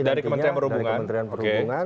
dari kementerian perhubungan